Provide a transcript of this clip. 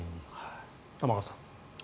玉川さん。